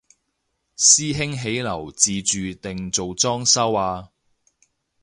師兄起樓自住定做裝修啊？